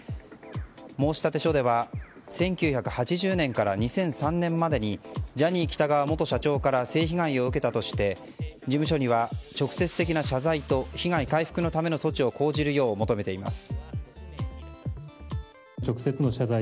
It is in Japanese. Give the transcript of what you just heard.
申立書では１９８０年から２００３年までにジャニー喜多川元社長から性被害を受けたとして事務所には直接的な謝罪と被害回復のための措置を講じるよう求めています。